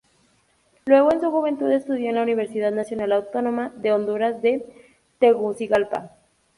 Luego en su juventud estudio en la Universidad Nacional Autónoma de Honduras de Tegucigalpa.